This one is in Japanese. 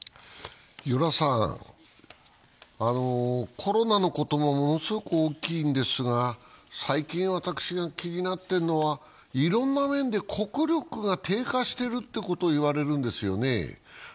コロナのこともものすごく大きいんですが、最近、私が気になっているのはいろんな面で国力が低下しているということを言われるんですよね。